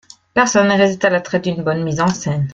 Personne ne résiste à l’attrait d’une bonne mise en scène.